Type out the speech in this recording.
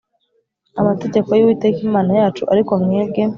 amategeko y Uwiteka Imana yacu ariko mwebwe